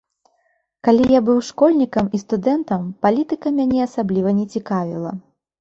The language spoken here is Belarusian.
Калі я быў школьнікам і студэнтам, палітыка мяне асабліва не цікавіла.